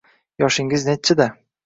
Yoshingiz nechchida